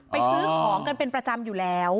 ซื้อของกันเป็นประจำอยู่แล้ว